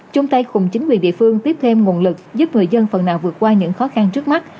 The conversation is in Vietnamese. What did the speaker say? chung tay cùng chính quyền địa phương tiếp thêm nguồn lực giúp người dân phần nào vượt qua những khó khăn trước mắt